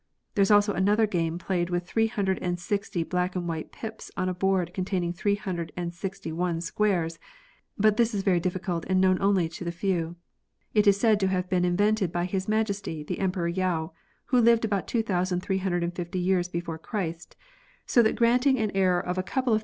There is also another game played with three hundred and sixty black and white pips on a board con taining three hundred and sixty one squares, but this is very difficult and known only to the few. It is said to have been invented by His Majesty the Emperor Yao who lived about two thousand three hundred and fifty years before Christ, so that granting an error of a couple of * Namely, (1) the literati, (2) agriculturalists, (3) artisans, and (4) merchants or tradesmen.